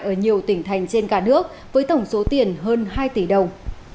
ở nhiều tỉnh thành trên cả nước với tổng số tiền hơn hai tỷ đồng